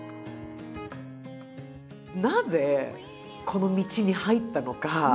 なぜこの道に入ったのか。